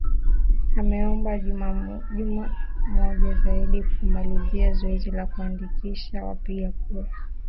ameomba juma moja zaidi kumalizia zoezi la kuandikisha wapiga kura